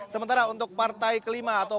sementara untuk partai ketiga